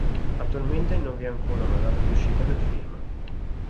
Attualmente non vi è ancora una data di uscita del film.